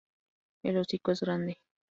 El hocico es grande.